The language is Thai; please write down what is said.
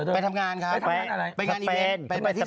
ไปที่สเปรน